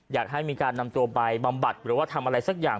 อยากให้มีการนำตัวไปบำบัดหรือว่าทำอะไรสักอย่าง